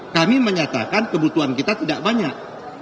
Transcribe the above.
kami menyatakan kebutuhan kita tidak banyak